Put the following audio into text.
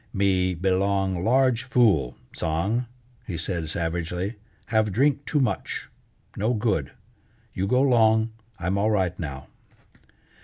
"Me belong large fool, Tsang!" he said savagely. "Have drink too much. No good. You go 'long, I'm all right now."